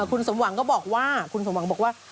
คุณสมหวังก็บอกว่าคุณสมหวังบอกว่า